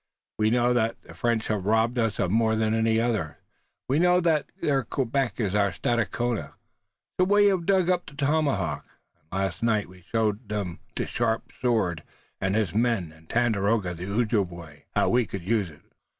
We know that the French have robbed us more than any others. We know, that their Quebec is our Stadacona. So we have dug up the tomahawk and last night we showed to Sharp Sword and his men and Tandakora the Ojibway how we could use it."